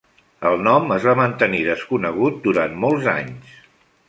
El nom es va mantenir desconegut durant molts anys.